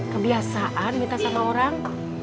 kebiasaan minta sama orang